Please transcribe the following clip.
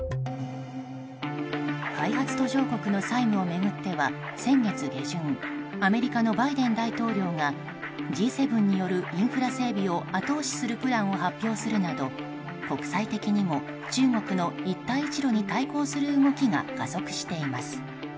開発途上国の債務を巡っては先月下旬アメリカのバイデン大統領がＧ７によるインフラ整備を後押しするプランを発表するなど国際的にも中国の一帯一路に対抗する動きが加速しています。